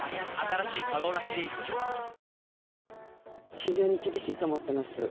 非常に厳しいと思っています。